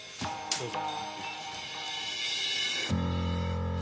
どうぞ。